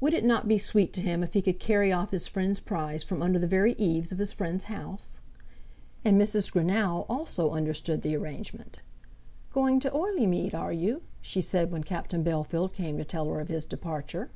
Would it not be sweet to him if he could carry off his friend's prize from under the very eaves of his friend's house? And Mrs. Greenow also understood the arrangement. "Going to Oileymead; are you?" she said when Captain Bellfield came to tell her of his departure.